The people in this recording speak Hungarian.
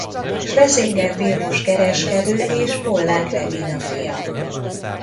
Schlesinger Vilmos kereskedő és Pollák Regina fia.